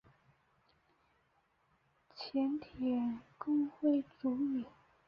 前田公辉主演。